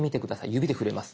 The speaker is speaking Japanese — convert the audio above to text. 指で触れます。